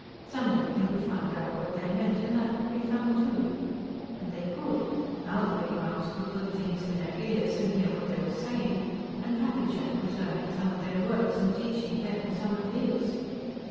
Someday they would find out what they meant, and that would be fun, too. And they could; now the Big Ones could put things in their ears and hear what they were saying, and Pappy Jack was learning some of their words, and teaching them some of his.